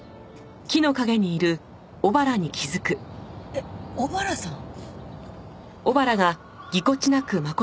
えっ小原さん？